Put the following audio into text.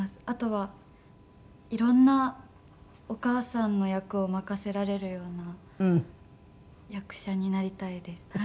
あとはいろんなお母さんの役を任せられるような役者になりたいです。